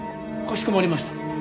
かしこまりました。